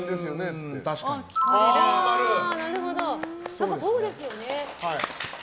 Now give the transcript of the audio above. やっぱりそうですよね。